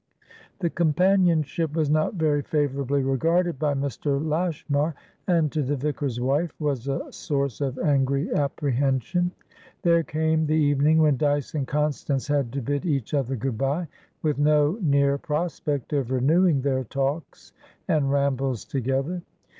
The companionship was not very favourably regarded by Mr. Lashmar, and to the vicar's wife was a source of angry apprehension. There came the evening when Dyce and Constance had to bid each other good bye, with no near prospect of renewing their talks and rambles together.